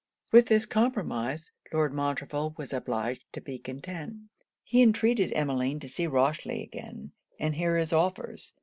With this compromise, Lord Montreville was obliged to be content. He entreated Emmeline to see Rochely again, and hear his offers.